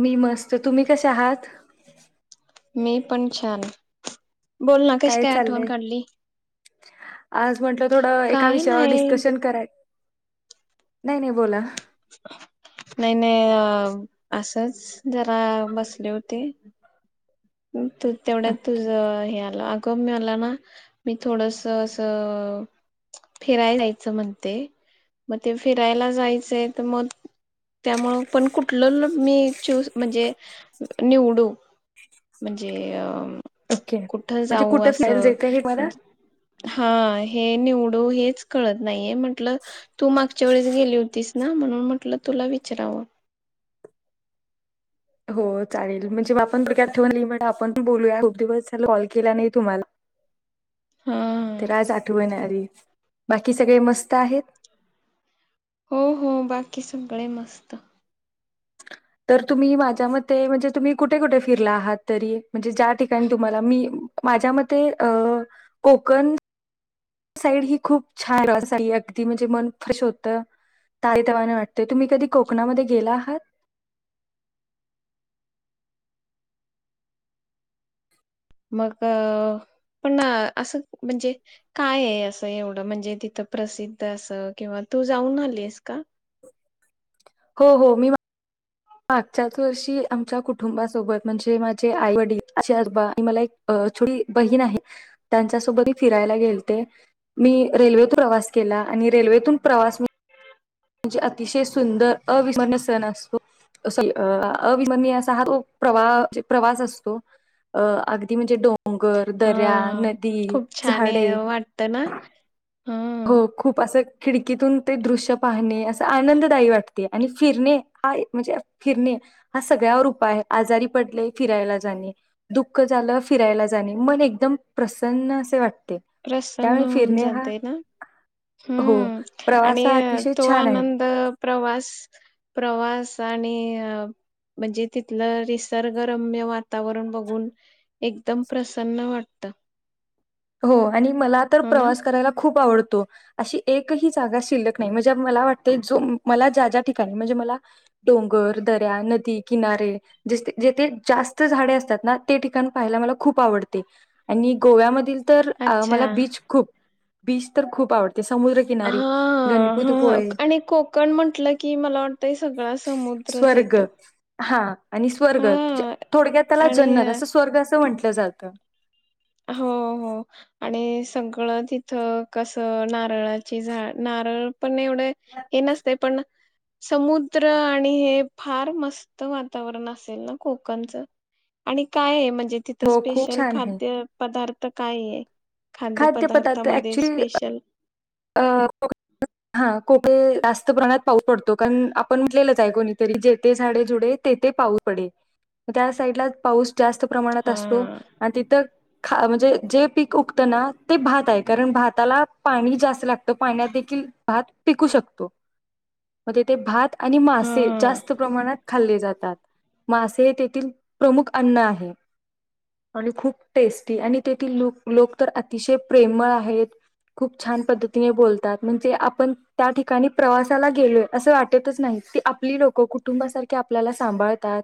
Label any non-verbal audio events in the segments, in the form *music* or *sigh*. मी मस्त तुम्ही कसे आहात मी पण छान बोलना काय काशिकाय आठवण चाललंय काढली आज म्हंटलं थोडं एका काय विषयावर नाही डिस्कशन कराय नाही नाही बोला नाही नाही अ असच जरा बसले होते तू ओ- तेवढ्यात तुझं हे आलं क मला ना मी थोडस असं फिराया जायचं म्हणते मग ते फिरायला जायचंय तर मग त्यामुळ पण कुठलं मी चूस म्हणजे निवडू म्हणजे अअ ओके कुठ म्हणजे जाऊ कुठे फिरायला असं जायचं हे मला मंजे हाय हे निवडू हेच कळत नाहीये म्हटल तू मागच्या वेळेस गेली होतीस ना म्हणून म्हटलं तुला विचराव हो चालेल म्हणजे मग आपण *unintelligible* आपण पण बोलूया खूप दिवसला कॉल केला नाही तुम्हाला हा तर आज आठवण आली बाकी सगळे मस्त आहेत. हो हो बाकी सगळे मस्त तर तुम्ही माझ्या मते म्हणजे तुम्ही कुठे कुठे फिरला आहात तरी म्हणजे ज्या ठिकाणी तुम्हाला मी माझ्या मते अ कोकण साईड ही खूप छान अस अगदी म्हणजे मन फ्रेश होतं ताजे तवानेवाटते तुम्ही कधी कोकणामध्ये गेला आहात. मग पण असं म्हणजे काय आहे असं एवढं म्हणजे तिथं प्रसिद्ध अस किंवा तू जाऊन आलीस का? हो हो मी मा मागच्याच वर्षी आमच्या कुटुंबासोबत म्हणजे माझे आई वडील आजी आजोबा मला एक छोट बहीण आहे त्यांच्यासोबत मी फिरायला गेलते मी रेल्वेत प्रवास केला आणि रेल्वेतून प्रवास म्हणजे अतिशय सुंदर अविस्मरणीय सण असतो अविस्मरणीय अस हा तो प्रवा प्रवास असतो अ अगदी म्हणजे डो डोंगर, हा दऱ्या, नदी, खूप छान आहे झाडे वाटत ना हा हो खूप असं खिडकीतून ते दृश्य पाहणे अस आनंददायी वाटते आणि फिरणे हा म्हणजे फिरणे हा सगळ्यावर उपाय आहे आजारी पडले फिरायला जाणे दुःख झालं फिरायला जाणे मन एकदम प्रसन्न असे वाट प्रसन्न होऊन जातय ना हो हम्म आणि प्रवास हा अ, अतिशय तो छान आहे. आनंद प्रवास प्रवास आणि अ मजे तिथलं निसर्गरम्य वातावरण बघून एकदम प्रसन्न वाटत. हो आणि मला तर हो ना प्रवास करायला खूप आवड अशी एकही जागा शिल्लक नाही म्हणजे मला वाटते जो मला ज्या ज्या ठिकाणी म्हणजे मला डोंगर दऱ्या नदी किनारे जथे जास्त झाडे असतात ना ते ठिकाण पाहायला मला खूप आवडते आणि गोव्याम तर अ अच्छा मला बीच खूप बीच तर खूप आवड हा हा आणि कोकण म्हटलं की मला वाटतं सगळा समुद्रच स्वर्ग येतो. हा आणि स्वर्ग हा थोडक्यात त्याला आणि जन्नत अ, असं स्वर्ग असं म्हट टलं जात. हो हो आणि सगळ तिथ कस नारळाची झाड नारळ पण एवढ हे नसतय पण समुद्र आणि हे फार मस्त वातावरण असेल ना कोकणच आणि कायये म्हण *unintelligible* तिथ हो खूप स्पेशल छान आहे. खाद्य पदार्थ काय ये खाद्यपदार्थामध्ये स्पेशल आ हा को जास्त प्रमाणात पाऊस पडतो कारण आपण म्हटलेलच आहे कोणीतरी जथे झाडे झुडे तेथे पाऊस पडे त्या साईडला पाऊस जास्त प्रमाणात हा असतो आणि तिथ ख म्हणजे जे पीक उगत ना ते भात आहे कारण भाताला पाणी जास् लागत पाण्यात देखील भात पिकू शकतो मग तेथे भात आणि मासे हा. जास्त प्रमाणात खाल्ले जात तात मासे हे तेथील प्रमुख अन्न आहे आणि खूप टेस्टी आणि तेथील ल लोक तर अतिशय प्रेमळ आहेत खूप छान पद्ती बोलतात म्हणजे आपण त्या ठिकाणी प्रवासाला गेलोय अस वाटतच नाही ती आपली लोक कुटुंबासारखी आपल्याला सांभाळतात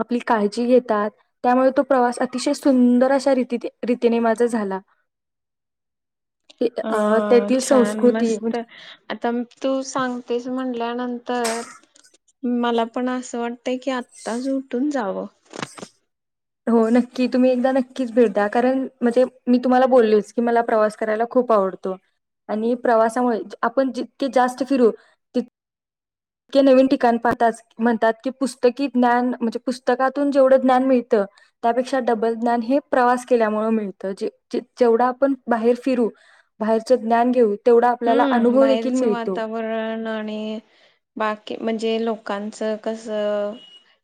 आपली काळजी घेतात त्यामुळे तो प्रवास अतिशय सुंदर अशा रीती रीतीने माझा झाला. आ ह छान मस्त आता तू सांगतेस म्हणल्यानंतर मला पण अस वाटतय की आत्ताच उठून जाव. हो नक्की तुम्ही एकदा नक्कीच भेट द्या कारण म्हणजे मी तुम्हाला बोललेच की मला प्रवास करायला खूप आवडतो आणि प्रवासामुळे आपण जितके जास्त फिरू ती इतके नवीन ठिकाण पाहतात म्हणतात की पुस्तकी ज्ञान म्हणजे पुस्तकातून जेवढ ज्ञान मिळत त्यापेक्षा डबल ज्ञान हे प्रवास केल्यामुळे मिळत जे जे जेवढ आपण बाहेर फिरू बाहेरचे ज्ञान घेऊ. तेवढा आपल्याला हम्म अनुभव देखील बाहेरच मिळतो वातावरण आणि बाकी म्हणजे लोकांच कस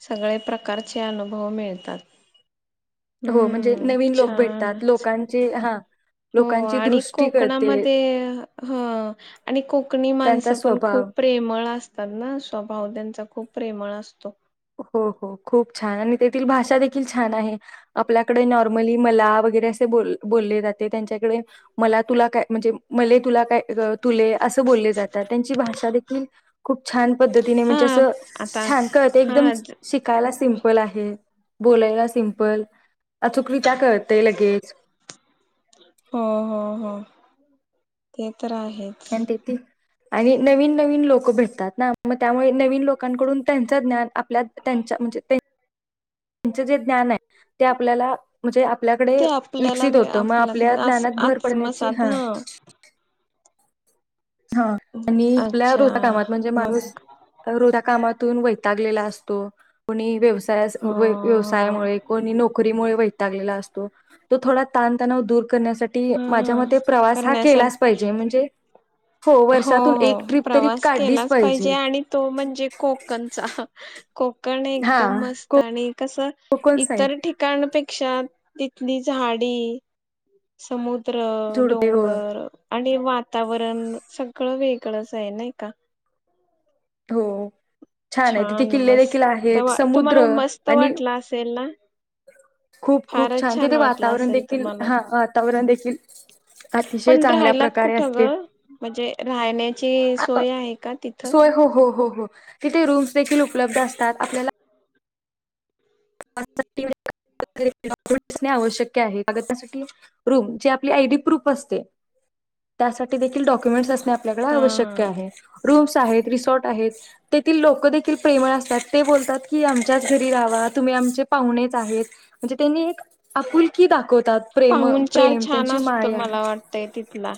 सगळे प्रकारचे अनुभव मिळतात. हो म्हणजे हम्म नवीन लोक छान भेटतात लोकांचे हा हो लोकांची आणि दृष्टी कळते कोकणामध्ये ह आणि कोकणी माणस त्यांचा पण स्वभाव खूप प्रेमळ अस तात ना स्वभाव त्यांचा खूप प्रेमळ असतो. हो हो खूप छान आणि तेथील भाषा देखील छान आहे आपल्याकडे नॉर्मली मला वगैरे असे बो बोलले जाते त्यांच्याकडे मला तुला काय म्हणजे मले तुला काय तुले अस बोलले जातात त्यांची भाषा देखील खूप छान पद्धतीने हा म्हणजे अस आता छान क हा एकदम शिकायला सिम्पल आहे. बोलायाला सिम्पल अचु का कळतेय लगेच हो हो हो *inaudible* तर आहेच. आणि तेथील आणि नवीन नवीन लोक भेटतात ना मग त्यामुळे नवीन लोकांकडून त्यांच ज्ञान आप त्यां म्हणजे त्यांच जे ज्ञान आहे ते आपल्याला म्हणजे आपल्याकडे ते आपल्याला विकसित मी होत मग आपला आपल्या ज्ञानात भर आज पडण्याची मसाद हा ह हा आणि आपल्या अच्छा रोजच्या कामात म्हणजे मग माणूस रोज कामातून वैतागलेला असतो कोणी व्यवसाया हो व्यवसायामुळे कोणी नोकरीमुळे होय. वैतागलेला असतो तो थोडा ताण तणाव दूर करण्यासाठी हा माझ्यामते प्रवास हा करण्यासाठी केलाच पाहिजे म्हणजे हो वर्षातून हो एक ट्रिप तरी प्रवास काढलीच केलाच पाहिजे आणि तो म्हणजे कोकणचा. कोकण एकदम हा. मस्त को आणि कसं कोकण साईड इतर ठिकाणपेक्षा तिथली झाडी समुद द्र झुडपे हो डोंगर आणि वातावरण सगळं वेगळंच हाय नाही का? हो. आहे तिथे छान किल्ले देखील मस्त, आहेत तुम्हाला समुद्र मस्त आणि वाटल असेल ना खूप खूप फारच छान तिथे वाटलं वातावरण असेल देखील तुम्हाला हा वातावरण देखील अतिशय पण चांगल्या राहिलात प्रकारे कुठं असते गं. म्हणजे राहण्याची आ- अ, सोय आहे का तिथं? सोय हो हो हो तिथे रूम्स देखील उपलब्ध असतात आपल्याला *inaudible* मेन्ट आवश्यक आहे आणि त्यासाठी रूम जी आपली आयडी प्रूफ असते, त्यासाठी देखील डॉक्युमेंटस असणे आव सगळं आवशक्य हा आहे रूमस आहेत. रिसॉर्ट आहेत, तेथील लोक देखील प्रेमळ असतात, ते बोलतात की आमच्याच घरी राहावा. तुम्ही आमचे पाहुणेच आहेत, म्हणजे त्यांनी एक आपुलकी दाखवत पाहूणचार छान असतो, मला वाटतयं तिथला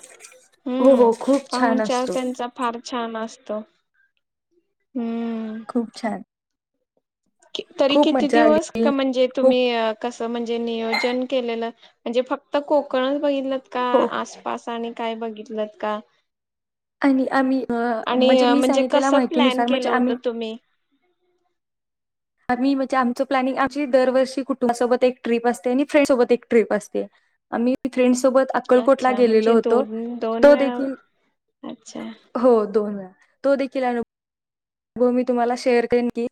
हो हम्म हो खूप छान पाहुणचार असतो. त्यांचा फार छान असतो. *inaudible* खूप छान. तरी खूप किती मज्जा दिवस क आली म्हणजे खूप तुम्ही कसं म्हणजे नियोजन केलेलं? म्हणजे फक्त कोकणच बघितलं. का हो आसपास आणि काय बघिलंत का? आणि आम्ही अ, आणि अं मी म्हणजे सांगितलेल्या कसं प्लॅन माहितीनुसार म्हणजे केलं होत आम्ही तुम्ही? आम्ही म्हणजे आमचं प्लॅनिंग आमची दरवर्षी कुटुंबासोबत एक ट्रिप असते आणि फ्रेंडसोबत एक ट्रिप असते, आम्ही फ्रेंड्स सोबत अक्कलकोटला अच्छा गेलेलो म्हणजे होतो, दोन दोन तो वेळा देखील अच्छा हो दोन. तो देखील अनु भव मी तुम्हाला शेअर करीन की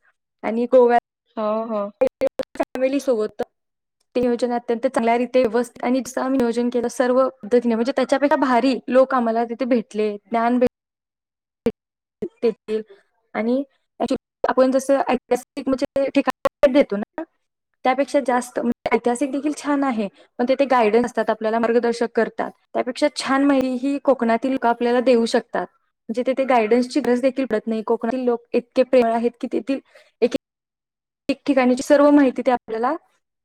आणि गोव्यात हो हो फॅमिली सोबत तं ते नियोजन अत्यंत चांगल्यारिते व्यवस्थित आणि जसं आम्ही नियोजन केलं सर्व पद्धतीने म्हणजे त्याच्यापेक्षा भारी लोक आम्हाला तिथे भेटले, ज्ञान भेट तेथील आणि आपण जस ऐतिहासिक म्हणजे *unintelligible* देतो ना, त्यापेक्षा जास्त म्हणजे ऐतिहासिक देखील छान आहे, पण तेथे गायडन असतात आपल्याला मार्गदर्शक करतात त्यापेक्षा छान माहिती ही कोकणातील लोकं आपल्याला देऊ शकतात. जिथे ते गायडन्स ची गरज देखील पडत नाही, कोकणातील लोक इतके प्रेमळ आहेत की तेथील एकएक ठिकाणची सर्व माहिती ते आपल्याला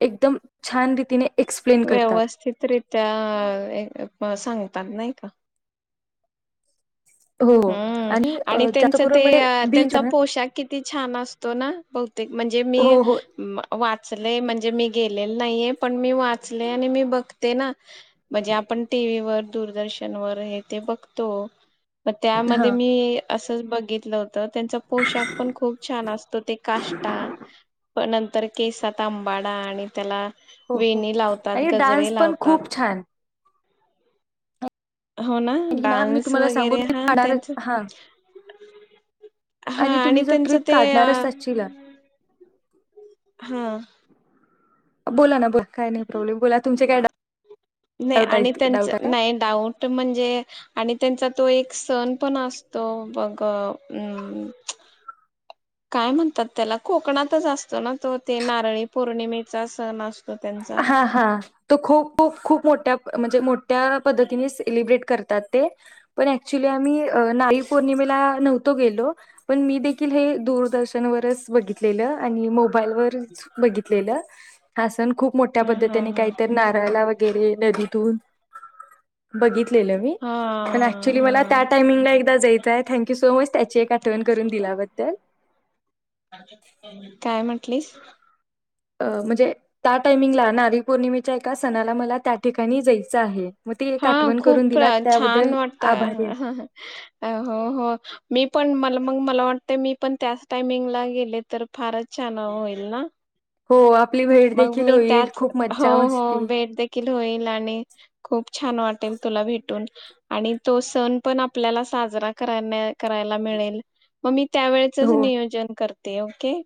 एकदम छान रीतीने एक्सप्लेन करतात. अं सांगतात नाही का? हो हम्म आणि जास्त त्यांच करून ते म्हणजे बीच त्यांचा पोशाख किती छान असतो, ना बहुतेक म्हणजे मी हो हो वाचले म्हणजे मी गे लेल नाहीेये पण मी वाचले आणि मी बघते ना म्हणजे आपण टीवी वर दूरदर्शन वर हे ते बघतो. मग त्यामध्ये हा मी असं च बघितलं- त त्यांचा पोशाख पण खूप छान असतो ते काष्टा प नंतर केसात आंबाडा आणि त्याला हो हो वेणी लावतात आणि डान्स गजरे पण लावतात खूप छान हो आणखी ना मी डान्स तुम्हाला सांगू वगैरे क हा काणार त्यांच हां हा आणि तुम्ही जर त्यांचं ट्रिप ते काढणारच असचीला हम्म बोला ना बोल काही नाही प्रॉब्लेम बोला तुमचे काय डा- नाही आणि त्यांच नाही डाऊट म्हणजे आणि त्यांचा तो एक सण पण असतो बघ अम्म् काय म्हणतात त्याला कोकणातच असतो ना तो ते नारळी पौर्णिमेचा सण अस हां हां तो खूप खूप मो त्या म्हणजे मोठ्या पद्धतीने सेलिब्रेट करातत ते पण एक्चुली आम्ही अ नारळी पौर्णमेला नव्हतो गेलो पण मी देखील हे दूरदर्शनवरच बघितलेलं आणि मोब बाईल वरच बघितलेलं. हा सण खूप मोठ्या हा हा पद्धतीने हा काही तर नाराळाला वै गेरे नदीतून बघित लेल मी हा पण अक्चुली मला त्या हा टाइमिंगला एकदा जायचं आहे थँक्यू सो मच त्याची एक आठवण करून दिल्याबद्दल उठलीस? अ म्हणजे त्या टायमिंगला नारळी पौर्णिमेच्या एका सणाला मला त्या ठिकाणी जायचं आहे. मग ते एक हां आठवण करून खूप दिलात छान त्याबद्दल आभारी आहे. वाटतं हो हो मी पण मला मग मला वाटतंय मी पण त्याच टाइमिंगला गेले तर फारच छान होईल ना. हो आप ली भेट मग देखील मी होईल त्याच खूप हो मज्जा हो मस्ती भेट देखील होईल आणि खूप छान वाटेल तुला भेटून आणि तो सण पण आपल्याला साजरा करण्या करायला मिळेल मग मी त्यावेळेचच हो. नियोजन कर ते ओके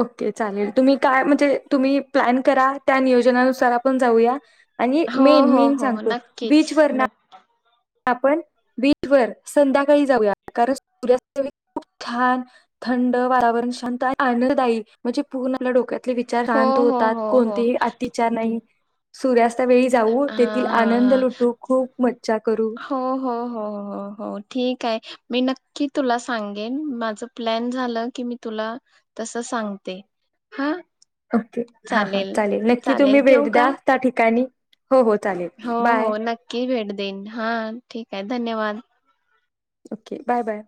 ओके चालेल तुम्ही काय म्हणजे तुम्ही प्लॅन करा त्या नियोजनानुसार आपण जाऊया. आणि हो मेन हो मेन हो सांगतो नक्कीच बीचवर ना नक् आपण बीट वर संध्याकाळी जाऊया कारण सूर्यास्त खूप छान थंड वारावरण शांत आनंददायी म्हणजे पूर्ण आपल्या डोक्यात ते विचार हो शांत हो होतात हो हो कोणतेही अति विचार नाही. सूर्यास्त पुढच्या वेळी जाऊ हा तेथील आनंद हा लुटू खूप मज्जा करू. हो हो हो हो हो ठीक ठीक हाय मी नक्की तुला सांगेन माझं प्लॅन झालं की मी तुला तसं सांगते हा ओके हा हा चालेल नक्की तुम्ही भेट द्या त्या ठिकाणी हो, हो. चालेल. हो हो बाय. नक्की भेट देईन हा ठीक हाय धन्यवाद ओके बाय बाय